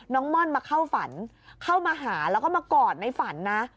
ม่อนมาเข้าฝันเข้ามาหาแล้วก็มากอดในฝันนะ